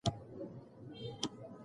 موږ باید د پوهې په ارزښت پوه سو.